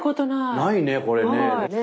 ないねこれね。